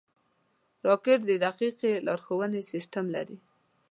راکټ د دقیقې لارښونې سیسټم لري